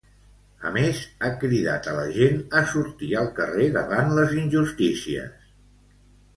A més, ha cridat a la gent a sortir al carrer davant les injustícies.